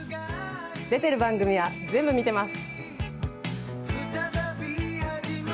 出ている番組は全部見ています。